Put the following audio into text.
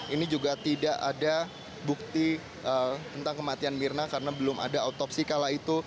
ini juga tidak ada bukti tentang kematian mirna karena belum ada otopsi kala itu